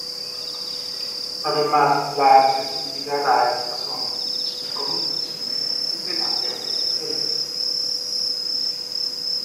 Además la accesibilidad a estas zonas y sus comunicaciones tienden a ser deficientes.